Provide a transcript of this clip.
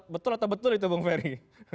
betul atau betul itu bung ferry